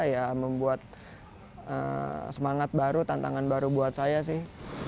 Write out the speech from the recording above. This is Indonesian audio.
ya membuat semangat baru tantangan baru buat saya sih